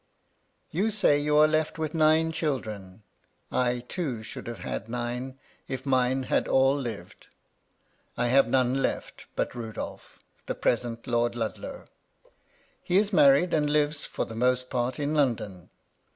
• You say you are left with nine children. I too * should have had nine, if mine had all lived. I have * none left but Rudolph, the present Lord Ludlow. He * is married, and lives, for the most part, in London.